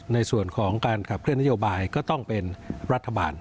ในส่วนของการขับเคลื่อนนโยบายก็ต้องเป็นรัฐบาล